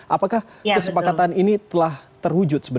apakah kesepakatan ini telah terwujud